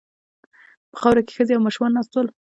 په خاورو کې ښځې او ماشومان ناست ول.